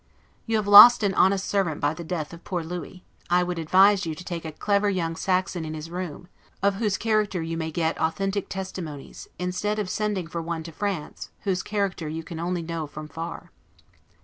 You have lost an honest servant by the death of poor Louis; I would advise you to take a clever young Saxon in his room, of whose character you may get authentic testimonies, instead of sending for one to France, whose character you can only know from far.